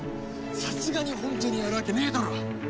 さすがにホントにやるわけねえだろ！